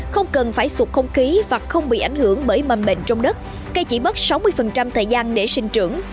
không cần phải sụp không khí và không bị ảnh hưởng bởi mầm bệnh trong đất cây chỉ mất sáu mươi thời gian để sinh trưởng